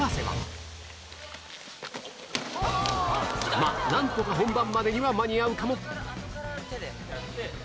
まっ、なんとか本番までには間に合うかも。